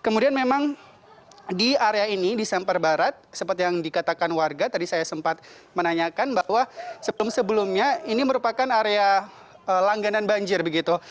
kemudian memang di area ini di semper barat seperti yang dikatakan warga tadi saya sempat menanyakan bahwa sebelum sebelumnya ini merupakan area langganan banjir begitu